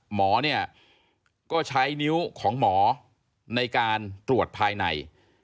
หมอเนี่ยก็ใช้นิ้วของหมอในการตรวจภายใน